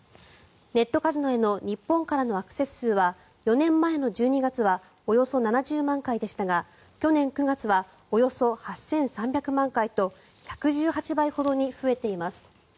ネットカジノへの日本からのアクセス数は４年前の１２月はおよそ７０万回でしたが去年９月はおよそ８３００万回と１１８倍ほどに増えています。